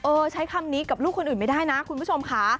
ใช้คำนี้กับลูกคนอื่นไม่ได้นะคุณผู้ชมค่ะ